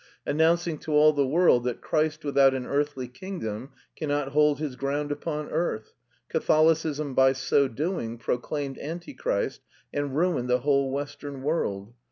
Announcing to all the world that Christ without an earthly kingdom cannot hold his ground upon earth, Catholicism by so doing proclaimed Antichrist and ruined the whole Western world.